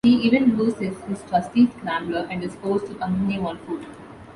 He even loses his trusty Scrambler and is forced to continue on foot.